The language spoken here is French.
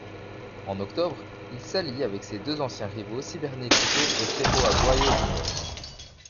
En Octobre, il s'allie avec ses deux anciens rivaux Cibernético et Perro Aguayo Jr.